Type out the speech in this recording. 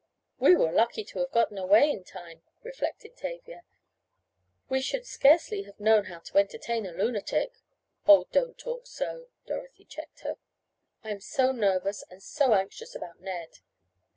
"We were lucky to have gotten away in time," reflected Tavia. "We would scarcely have known how to entertain a lunatic." "Oh, don't talk so!" Dorothy checked her. "I am so nervous and so anxious about Ned."